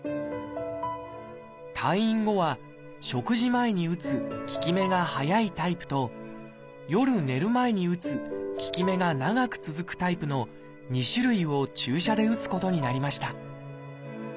退院後は食事前に打つ効き目が早いタイプと夜寝る前に打つ効き目が長く続くタイプの２種類を注射で打つことになりました。